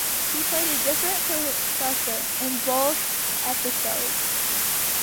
He played a different professor in both episodes.